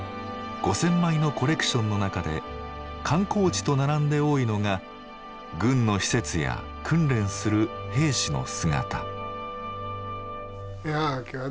５，０００枚のコレクションの中で観光地と並んで多いのが軍の施設や訓練する兵士の姿。